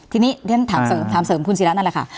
ที่นี่ท่านถามเสริมคุณศิละนั่นแหละค่ะ